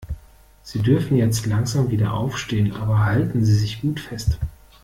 Sie dürfen jetzt langsam wieder aufstehen, aber halten Sie sich gut fest.